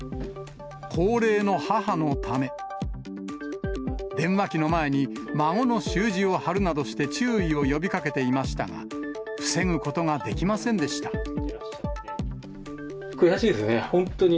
高齢の母のため、電話機の前に、孫の習字を貼るなどして注意を呼びかけていましたが、防ぐことが悔しいですね、本当に。